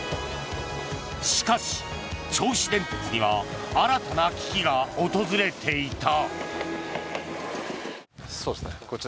しかし、銚子電鉄には新たな危機が訪れていた。